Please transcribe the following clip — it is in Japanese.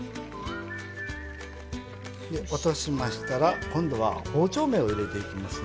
落としましたら、今度は包丁目を入れていきますね。